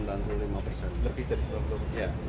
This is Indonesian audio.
lebih dari sembilan puluh persen